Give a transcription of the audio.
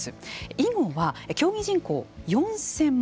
囲碁は競技人口４，０００万。